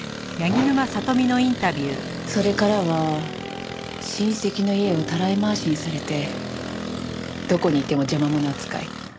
それからは親戚の家をたらい回しにされてどこにいても邪魔者扱い。